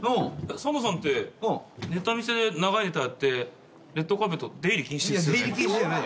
サンドさんってネタ見せで長いネタやって『レッドカーペット』出入り禁止ですよね？